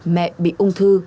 mẹ bị ung thư